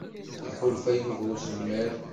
Iḥulfa Yuba i usemmiḍ.